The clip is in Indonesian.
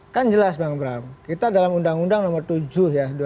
kan jelas bang brang kita dalam undang undang nomor tujuh ya